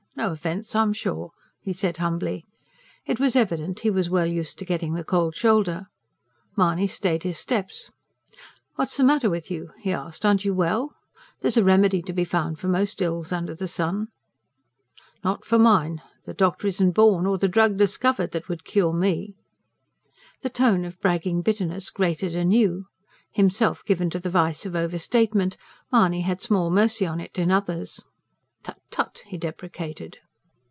No offence, I'm sure," he said humbly. It was evident he was well used to getting the cold shoulder. Mahony stayed his steps. "What's the matter with you?" he asked. "Aren't you well? There's a remedy to be found for most ills under the sun." "Not for mine! The doctor isn't born or the drug discovered that could cure me." The tone of bragging bitterness grated anew. Himself given to the vice of overstatement, Mahony had small mercy on it in others. "Tut, tut!" he deprecated.